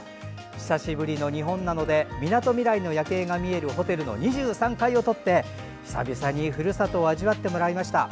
久しぶりの日本なのでみなとみらいの夜景が見えるホテル、２３階の部屋を取って久々にふるさとを味わってもらいました。